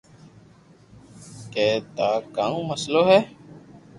ڪئي ٺا ڪاو مسلو ھي